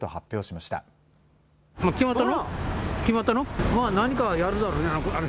まあ何かをやるだろうね。